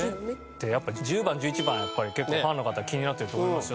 でやっぱ１０番１１番結構ファンの方気になってると思いますよ。